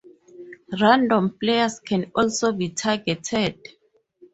Random players can also be targeted.